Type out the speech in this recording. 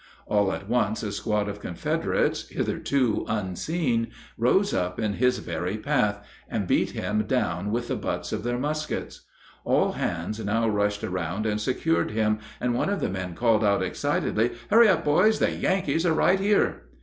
All at once a squad of Confederates, hitherto unseen, rose up in his very path, and beat him down with the butts of their muskets. All hands now rushed around and secured him, and one of the men called out excitedly, "Hurry up, boys; the Yankees are right here!"